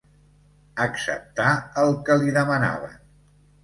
Acceptà el que li demanaven.